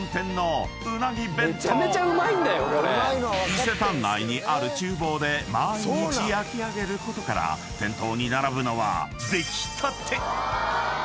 ［伊勢丹内にある厨房で毎日焼き上げることから店頭に並ぶのは出来たて］